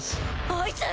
あいつ！